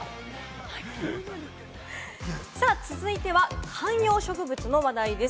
続いては観葉植物の話題です。